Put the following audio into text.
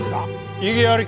異議あり！